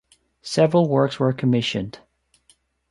Several works were commissioned.